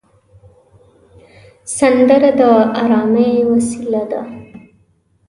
سندره د ارامۍ وسیله ده